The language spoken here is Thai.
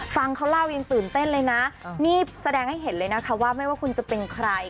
ฟังเขาเล่ายังตื่นเต้นเลยนะนี่แสดงให้เห็นเลยนะคะว่าไม่ว่าคุณจะเป็นใคร